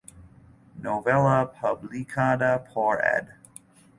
Novela publicada por Ed.